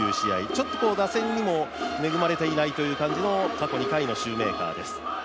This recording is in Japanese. ちょっと打線にも恵まれていないという、過去２回のシューメーカーです。